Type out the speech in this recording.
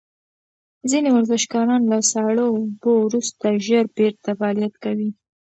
ځینې ورزشکاران له ساړه اوبو وروسته ژر بیرته فعالیت کوي.